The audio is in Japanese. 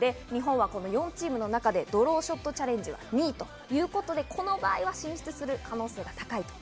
日本は４チームの中でドローショットチャレンジは２位ということで、この場合は進出する可能性が高い。